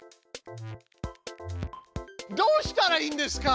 どうしたらいいんですか？